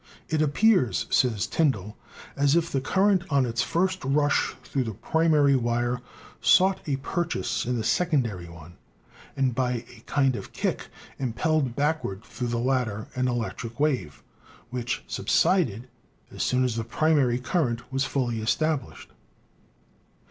"It appeared," says Tyndall, "as if the current on its first rush through the primary wire sought a purchase in FUNDAMENTAL DISCOVERIES 185 the secondary one, and by a kind of kick impelled back ward through the latter an electric wave, which subsided as soon as the primary current was fully established.